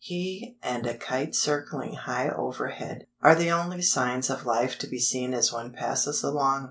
He, and a kite circling high overhead, are the only signs of life to be seen as one passes along.